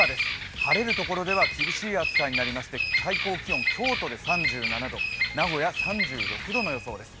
晴れるところでは厳しい暑さになりまして最高気温、京都で３７度、名古屋３６度の予想です。